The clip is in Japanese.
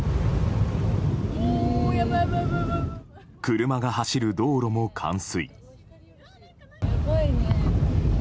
車が走る道路も冠水。